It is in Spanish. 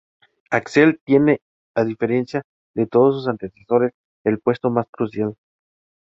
Axel tiene, a diferencia de todos sus antecesores, el puesto más crucial.